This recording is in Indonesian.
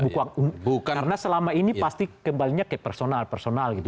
karena selama ini pasti kembalinya ke personal personal gitu